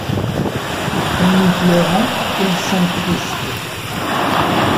Quand nous pleurons, ils sont tristes.